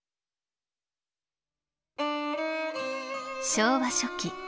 昭和初期